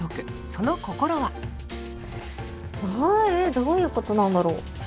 どういうことなんだろう。